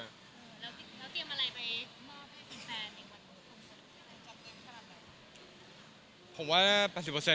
แล้วเตรียมอะไรไปมอบให้คุณแฟน